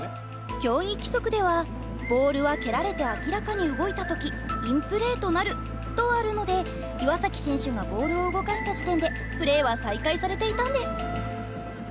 競技規則では「ボールは蹴られて明らかに動いた時インプレーとなる」とあるので岩崎選手がボールを動かした時点でプレーは再開されていたんです。